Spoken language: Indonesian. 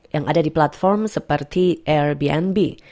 yang ada di platform seperti airbnb